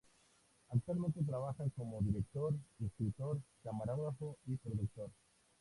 Actualmente trabaja como director, escritor, camarógrafo y productor.